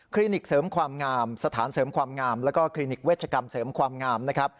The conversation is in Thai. นิกเสริมความงามสถานเสริมความงามแล้วก็คลินิกเวชกรรมเสริมความงามนะครับ